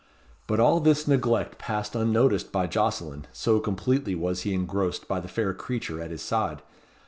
But all this neglect passed unnoticed by Jocelyn, so completely was he engrossed by the fair creature at his side.